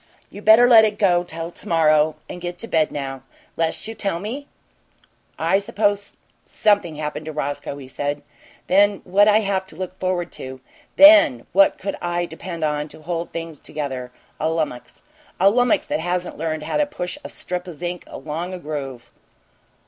"You better let it go till to morrow and get to bed now 'less you'll tell me?" "Suppose something happened to Roscoe," he said. "THEN what'd I have to look forward to? THEN what could I depend on to hold things together? A lummix! A lummix that hasn't learned how to push a strip o' zinc along a groove!"